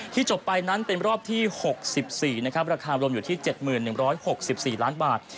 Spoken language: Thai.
จบไปนั้นเป็นรอบที่๖๔นะครับราคารวมอยู่ที่๗๑๖๔ล้านบาท